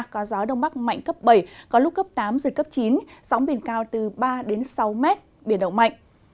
có gió đông bắc mạnh cấp bảy có lúc cấp tám giật cấp chín sóng biển cao từ ba đến sáu mét biển động mạnh